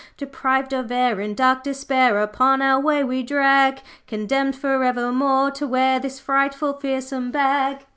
'Deprived of air, in dark despair Upon our way we drag; Condemned for evermore to wear This frightful, fearsome bag.'